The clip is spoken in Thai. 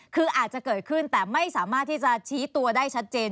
คืออาจจะเกิดขึ้นแต่ไม่สามารถที่จะชี้ตัวได้ชัดเจน